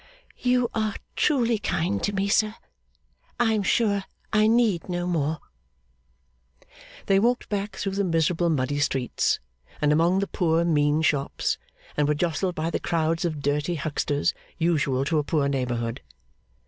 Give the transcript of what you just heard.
'You are truly kind to me, sir. I am sure I need no more.' They walked back through the miserable muddy streets, and among the poor, mean shops, and were jostled by the crowds of dirty hucksters usual to a poor neighbourhood.